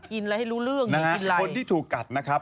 กินอะไรให้รู้เรื่อง